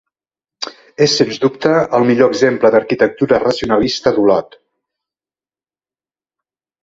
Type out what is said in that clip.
És, sens dubte, el millor exemple d'arquitectura racionalista d'Olot.